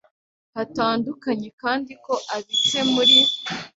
hatandukanye kandi ko abitse muri